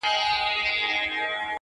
ښکاري وایې دا کم اصله دا زوی مړی-